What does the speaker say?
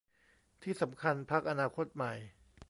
ที่สำคัญพรรคอนาคตใหม่